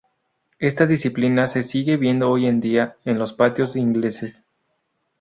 Esa disciplina se sigue viendo hoy en día en los patios ingleses.